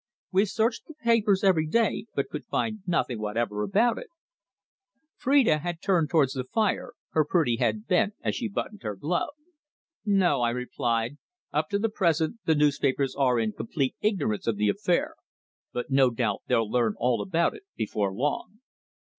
We've searched the papers every day, but could find nothing whatever about it." Phrida had turned towards the fire, her pretty head bent as she buttoned her glove. "No," I replied. "Up to the present the newspapers are in complete ignorance of the affair. But no doubt they'll learn all about it before long."